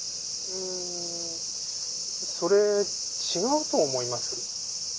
うーんそれ違うと思います。